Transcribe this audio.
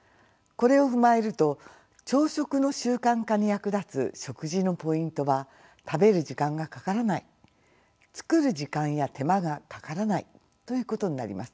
これを踏まえると朝食の習慣化に役立つ食事のポイントは食べる時間がかからない作る時間や手間がかからないということになります。